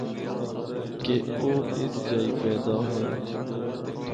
کہ او اس جائی پیدا ہویے۔